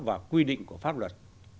và quy định của pháp luật